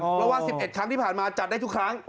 เพราะว่า๑๑ครั้งที่ผ่านมาจัดได้ทุกครั้ง